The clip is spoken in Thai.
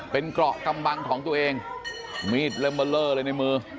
เป็นเกราะกำบังของตัวเองมีดเล่มเบอร์เลอร์เลยในมือ